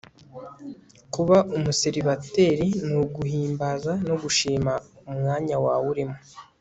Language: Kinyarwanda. kuba umuseribateri ni uguhimbaza no gushima umwanya wawe urimo